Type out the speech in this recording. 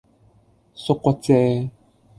縮骨遮